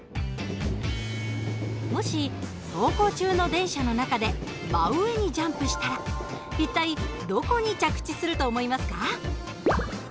もし走行中の電車の中で真上にジャンプしたら一体どこに着地すると思いますか？